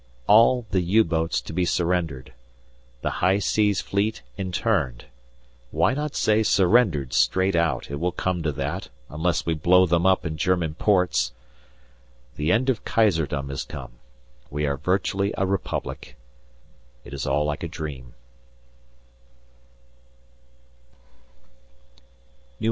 All the U boats to be surrendered, the High Seas Fleet interned; why not say "surrendered" straight out, it will come to that, unless we blow them up in German ports. The end of Kaiserdom has come; we are virtually a republic; it is all like a dream.